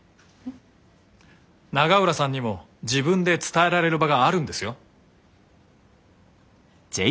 永浦さんにも自分で伝えられる場があるんですよ？